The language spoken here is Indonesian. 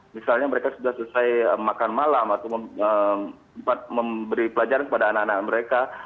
misalnya mereka sudah selesai makan malam atau sempat memberi pelajaran kepada anak anak mereka